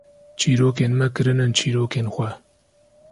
çîrokên me kirinin çîrokên xwe